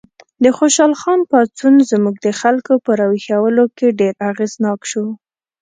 د خوشحال خان پاڅون زموږ د خلکو په راویښولو کې ډېر اغېزناک شو.